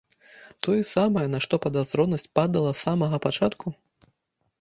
Тое самае, на што падазронасць падала з самага пачатку?!